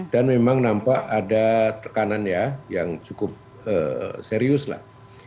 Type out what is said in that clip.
dan memang nampak ada tekanan ya yang cukup serius lah